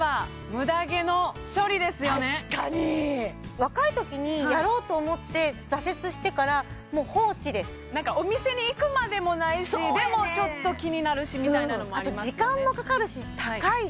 確かに若い時にやろうと思って挫折してからもう放置ですお店に行くまでもないしでもちょっと気になるしみたいなのもありますよね